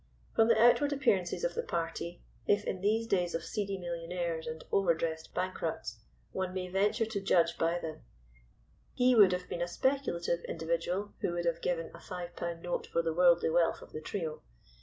From the outward appearances of the party, if in these days of seedy millionaires and over dressed bankrupts one may venture to judge by them, he would have been a speculative individual who would have given a five pound note for the worldly wealth of the trio.